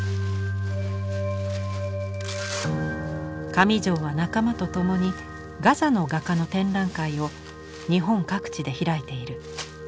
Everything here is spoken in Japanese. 上條は仲間と共にガザの画家の展覧会を日本各地で開いている。